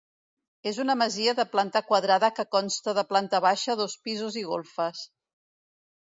És una masia de planta quadrada que consta de planta baixa, dos pisos i golfes.